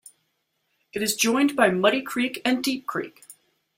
It is joined by Muddy Creek and Deep Creek.